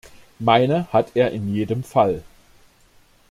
Meine hat er in jedem Fall.